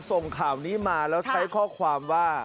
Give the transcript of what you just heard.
ส่งข่าวนี้มาแล้วใช้ข้อความว่า